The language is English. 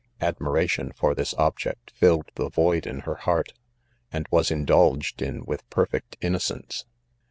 Admiration for this object filled the void in her heart, and was indulged in with perfect innocence.